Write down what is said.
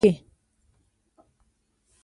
نیکه د خپلو خلکو لپاره بېساري خدمتونه وړاندې کوي.